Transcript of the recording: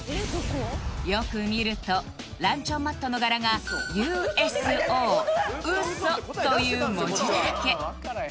よく見るとランチョンマットの柄が「ウソ」という文字だらけ